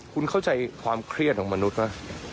คุณเข้าใจความเครียดของมนุษย์ป่ะ